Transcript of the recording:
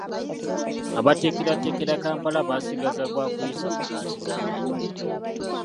Abateekerateekera Kampala baasigaza gwa kuyisa ppulaani z’amayumba.